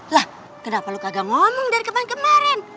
lah kenapa lu kagak ngomong dari kemarin kemarin